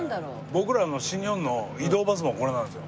僕らの新日本の移動バスもこれなんですよ。